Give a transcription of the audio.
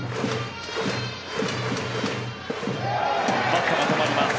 バットが止まります。